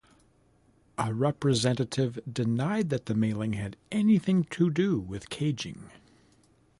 A representative denied that the mailing had anything to do with caging.